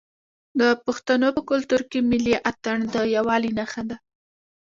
د پښتنو په کلتور کې ملي اتن د یووالي نښه ده.